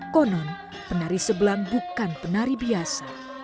konon penari sebelang bukan penari biasa